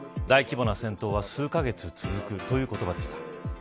大規模な戦闘は数カ月続くという言葉でした。